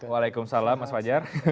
waalaikumsalam mas fajar